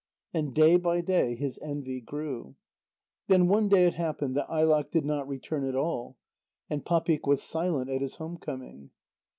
And day by day his envy grew. Then one day it happened that Ailaq did not return at all. And Papik was silent at his home coming.